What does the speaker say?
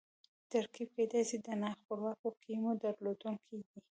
ترکیب کېدای سي د نا خپلواکو کیمو درلودونکی يي.